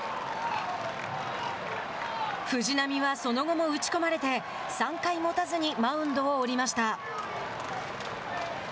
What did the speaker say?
藤浪はその後も打ち込まれて３回持たずにマウンドを降りました。